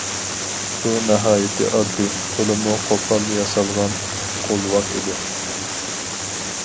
بۇ ناھايىتى ئاددىي، تولىمۇ قوپال ياسالغان قولۋاق ئىدى.